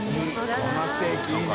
このステーキいいね。